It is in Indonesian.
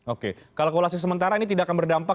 oke kalkulasi sementara ini tidak akan berdampak